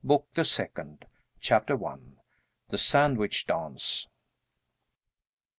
BOOK THE SECOND. CHAPTER I. THE SANDWICH DANCE.